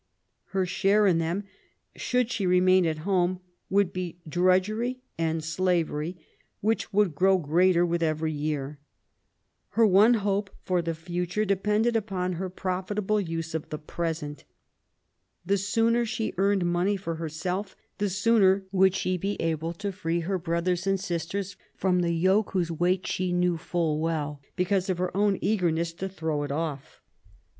Her share in them, should she remain at home, would be drudgery and slavery, which would grow greater with every year. Her one hope for the future depended upon her pro fitable use of the present. The sooner she earned money for herself, the sooner would she be able to free her brothers and sisters from the yoke whose weight she knew full well because of her own eagerness to throw it off.